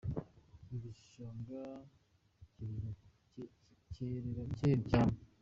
igishanga cyirera cyane